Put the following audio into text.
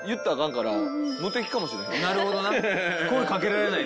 なるほどな。